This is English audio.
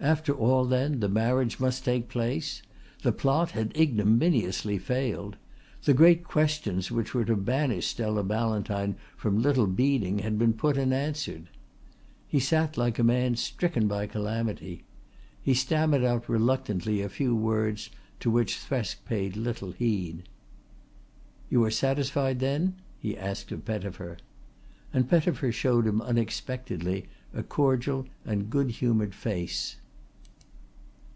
After all, then, the marriage must take place; the plot had ignominiously failed, the great questions which were to banish Stella Ballantyne from Little Beeding had been put and answered. He sat like a man stricken by calamity. He stammered out reluctantly a few words to which Thresk paid little heed. "You are satisfied then?" he asked of Pettifer; and Pettifer showed him unexpectedly a cordial and good humoured face.